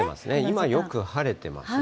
今、よく晴れてますね。